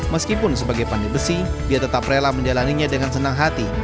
meskipun sebagai pandai besi dia tetap rela menjalannya dengan senang hati